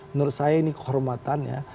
menurut saya ini kehormatan ya